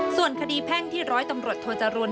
ส่วนคดีแพ่งที่ร้อยตำรวจโทจรูล